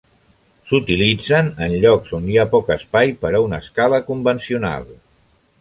S'utilitzen en llocs on hi ha poc espai per a una escala convencional.